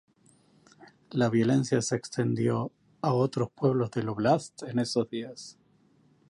Las violencia se extendió a otros pueblos del oblast en esos días.